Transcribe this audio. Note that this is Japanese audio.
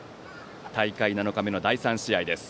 大会７日目の第３試合です。